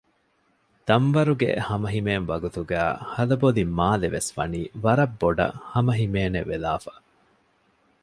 ދަންވަރުގެ ހަމަ ހިމޭން ވަގުތުގައި ހަލަބޮލި މާލެ ވެސް ވަނީ ވަރައް ބޮޑައް ހަމަހިމޭނެ ވެލާފަ